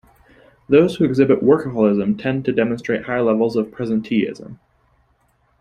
Those who exhibit workaholism tend to demonstrate higher levels of presenteeism.